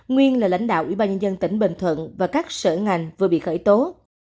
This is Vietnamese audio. nguyên là lãnh đạo ủy ban nhân dân tỉnh bình thuận và các sở ngành vừa bị khởi tố